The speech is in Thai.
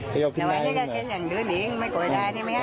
แล้วอันนี้ก็ว่ามันอยู่นี่ไม่ไหว